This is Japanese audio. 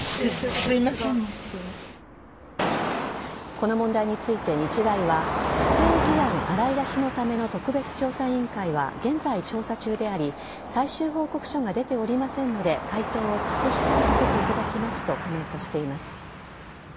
この問題について、日大は不正事案洗い出しのための特別調査委員会は現在、調査中であり最終報告書が出ておりませんので回答を差し控えさせていただきますとコメントしています。